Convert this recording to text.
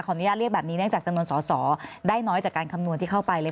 อนุญาตเรียกแบบนี้เนื่องจากจำนวนสอสอได้น้อยจากการคำนวณที่เข้าไปเลย